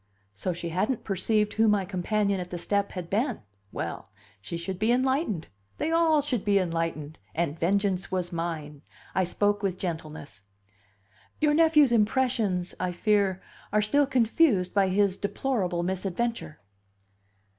So she hadn't perceived who my companion at the step had been! Well, she should be enlightened, they all should be enlightened, and vengeance was mine. I spoke with gentleness: "Your nephew's impressions, I fear, are still confused by his deplorable misadventure."